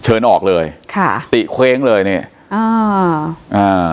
เชิญออกเลยค่ะติเคว้งเลยนี่อ่าอ่า